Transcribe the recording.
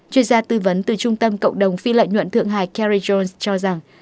chuyên gia tư vấn từ trung tâm cộng đồng phi lợi nhuận thượng hải kerry jones cho rằng